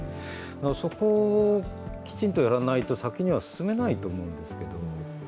そこをきちんとやらないと先に進めないと思うんですけど。